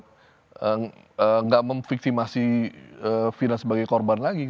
mereka enggak memviktimasi fina sebagai korban lagi